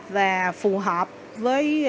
và phù hợp với